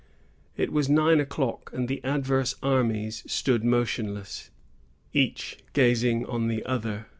It was nine o'clock, and the adverse armies stood motionless, each gazing on the other.